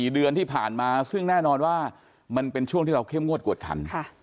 ๔เดือนที่ผ่านมาซึ่งแน่นอนว่ามันเป็นช่วงที่เราเข้มงวดกวดขัน